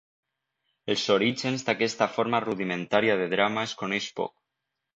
Els orígens d'aquesta forma rudimentària de drama es coneix poc.